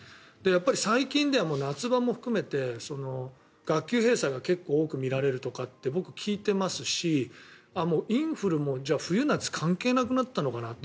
最近では夏場も含めて学級閉鎖が結構、多く見られるとかって僕、聞いていますしインフルも冬夏関係なくなったのかなと。